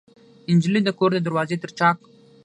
نجلۍ د کور د دروازې تر چاک